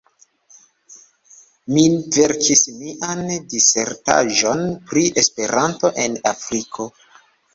Mi verkis mian disertaĵon pri Esperanto en Afriko.